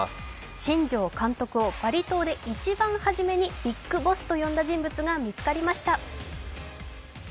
新庄監督をバリ島で一番にビッグボスと呼んだ人物が見つかりました。